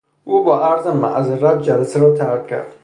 او با عرض معذرت جلسه را ترک کرد.